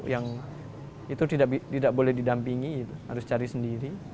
yang itu tidak boleh didampingi harus cari sendiri